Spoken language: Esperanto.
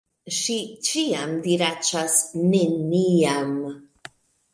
Ŝi ĉiam diraĉas, "Neniam!"